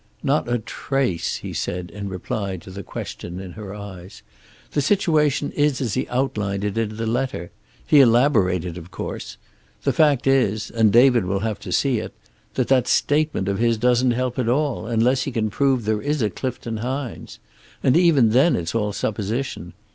"Not a trace," he said, in reply to the question in her eyes. "The situation is as he outlined it in the letter. He elaborated, of course. The fact is, and David will have to see it, that that statement of his doesn't help at all, unless he can prove there is a Clifton Hines. And even then it's all supposition.